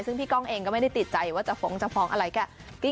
ซึ่งพี่ก้องเองก็ไม่ได้ติดใจว่าจะฟ้องจะฟ้องอะไรก็